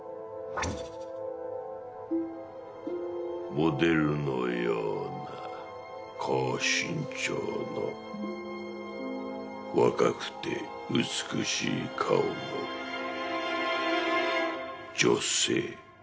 モデルのような高身長の若くて美しい顔の女性。